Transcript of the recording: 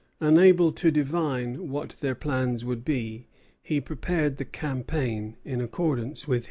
Unable to divine what their plans would be, he prepared the campaign in accordance with his own.